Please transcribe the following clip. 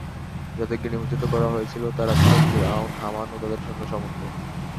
যাদেরকে নিমজ্জিত করা হয়েছিল, তারা ছিল ফিরআউন, হামান ও তাদের সৈন্য-সামন্ত।